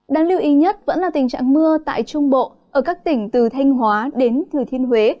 đáng lưu ý nhất vẫn là tình trạng mưa tại trung bộ ở các tỉnh từ thanh hóa đến thừa thiên huế